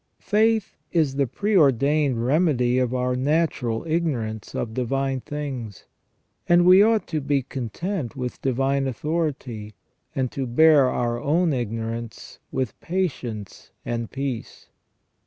Faith is the preordained remedy for our natural ignorance of divine things, and we ought to be content with divine authority, and to bear our own ignorance with patience and peace.